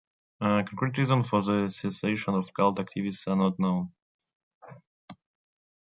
Concrete reasons for the cessation of cult activities are not known.